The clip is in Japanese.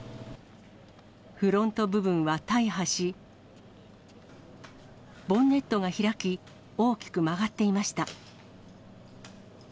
フロント部分は大破し、ボンネットが開き、大きく曲がっていました。